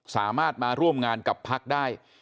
สามารถมาร่วมงานกับพักได้